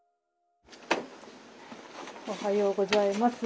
おはようございます。